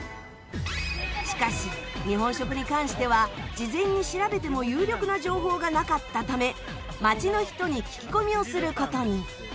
しかし日本食に関しては事前に調べても有力な情報がなかったため街の人に聞き込みをする事に。